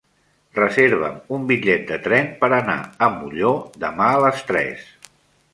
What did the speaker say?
Reserva'm un bitllet de tren per anar a Molló demà a les tres.